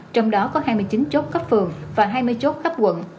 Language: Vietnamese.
trong đó có hai mươi chín chốt cấp phường và hai mươi chốt cấp quận